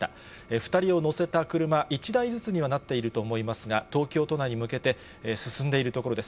２人を乗せた車、１台ずつにはなっていると思いますが、東京都内に向けて進んでいるところです。